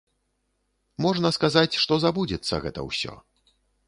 Можна сказаць, што забудзецца гэта ўсё.